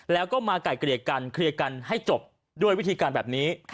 แล้วก็มาไก่เกลี่ยกันเคลียร์กันให้จบด้วยวิธีการแบบนี้